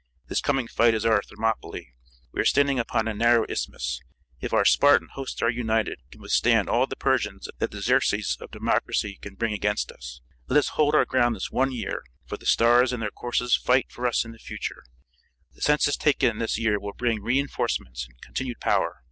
This coming fight is our Thermopylæ. We are standing upon a narrow isthmus. If our Spartan hosts are united, we can withstand all the Persians that the Xerxes of Democracy can bring against us. Let us hold our ground this one year, for the stars in their courses fight for us in the future. The census taken this year will bring re enforcements and continued power.